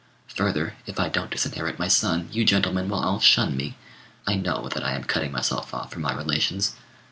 Further, if I don't disinherit my son, you gentlemen will all shun me. I know that I am cutting myself off from my relations.